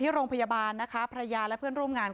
ที่โรงพยาบาลภรรยาและเพื่อนร่วมงาน